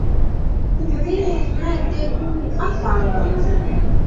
Upépe ha'ete ku apáyva